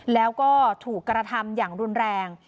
แล้วก็ถูกกระทำอย่างรุนแรง